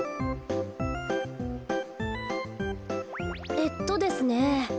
えっとですね。